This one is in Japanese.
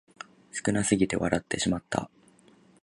少なすぎて笑ってしまった